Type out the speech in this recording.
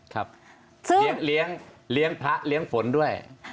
ครับเลี้ยงพระเลี้ยงฝนด้วย